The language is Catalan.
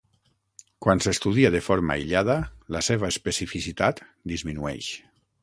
Quan s'estudia de forma aïllada, la seva especificitat disminueix.